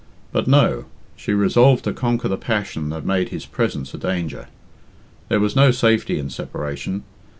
But no! She resolved to conquer the passion that made his presence a danger. There was no safety in separation.